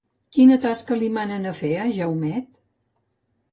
Quina tasca li manen fer a Jaumet?